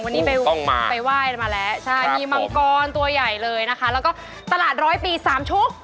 วันนี้ไปไหว้มาแล้วใช่มีมังกรตัวใหญ่เลยนะคะแล้วก็ตลาดร้อยปีสามชุก